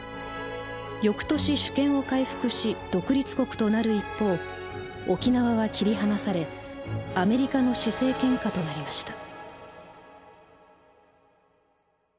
翌年主権を回復し独立国となる一方沖縄は切り離されアメリカの施政権下となりました。